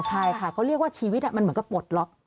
ใช่ค่ะเขาเรียกว่าชีวิตมันเหมือนกับปลดล็อก